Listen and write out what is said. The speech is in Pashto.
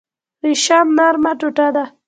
ریشم نرمه ټوټه ده